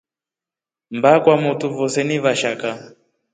Mba kwamotu voose ni vashaka.